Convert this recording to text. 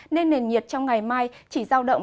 nên nền nhiệt trong ngày mai chỉ giao động